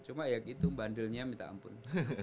cuma ya gitu bandelnya minta ampun